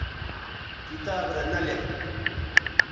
کتاب رے نہ لِک